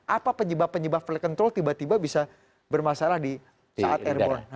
apa penyebab penyebab flight control tiba tiba bisa bermasalah di saat airborne